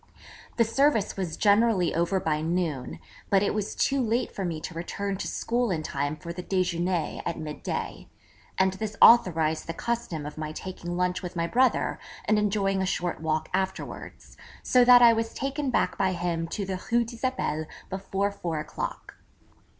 The service was generally over by noon; but it was too late for me to return to school in time for the déjeuner at mid day, and this authorised the custom of my taking lunch with my brother and enjoying a short walk afterwards; so that I was taken back by him to the Rue d'Isabelle before four o'clock.